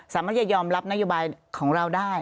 สามารถจะยอมรับนโยบายของเราได้